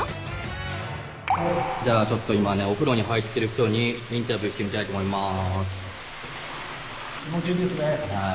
じゃあちょっと今ねお風呂に入ってる人にインタビューしてみたいと思います。